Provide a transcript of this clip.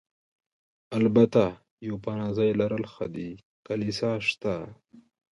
البته یو پناه ځای لرل ښه دي، کلیسا شته.